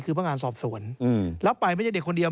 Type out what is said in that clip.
คือพนักงานสอบสวนแล้วไปไม่ใช่เด็กคนเดียว